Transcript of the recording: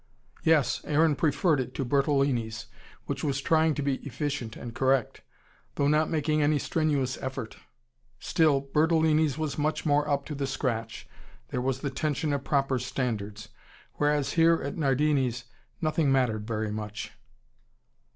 Yes, Aaron preferred it to Bertolini's, which was trying to be efficient and correct: though not making any strenuous effort. Still, Bertolini's was much more up to the scratch, there was the tension of proper standards. Whereas here at Nardini's, nothing mattered very much.